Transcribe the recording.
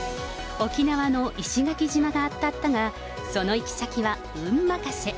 沖縄の石垣島が当たったが、その行き先は運任せ。